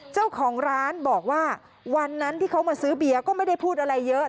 เจ้าของร้านบอกว่าวันนั้นที่เขามาซื้อเบียร์ก็ไม่ได้พูดอะไรเยอะ